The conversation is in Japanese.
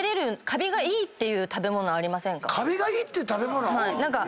カビがいいっていう食べ物⁉納豆とか。